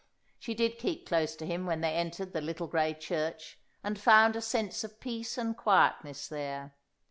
She did keep close to him when they entered the little grey church, and found a sense of peace and quietness there.